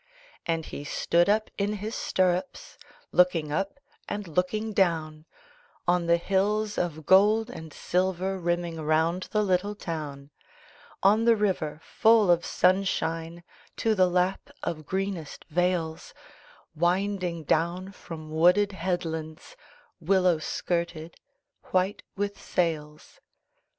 And he stood up in his stirrups, Looking up and looking down On the hills of Gold and Silver Rimming round the little town, On the river, full of sunshine, To the lap of greenest vales Winding down from wooded headlands, Willow skirted, white with sails.